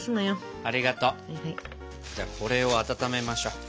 じゃこれを温めましょ。